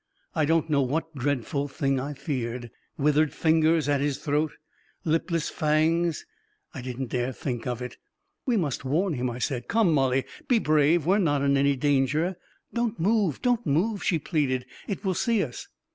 . I don't know what dreadful thing I feared — withered fingers at his throat — lipless fangs — I didn't dare think of it ..." We must warn him," I said. " Come, Mollie, be brave ! We're not in any danger !"" Don't move ! Don't move !" she pleaded. " It will see us